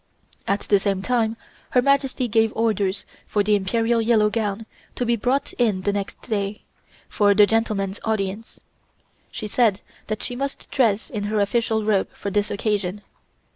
At the same time Her Majesty gave orders for the Imperial Yellow Gown to be brought in next day, for the gentleman's audience. She said that she must dress in her official robe for this occasion.